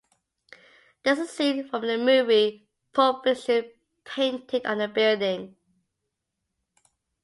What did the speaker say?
There's a scene from the movie Pulp Fiction painted on the building.